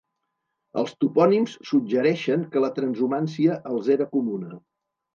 Els topònims suggereixen que la transhumància els era comuna.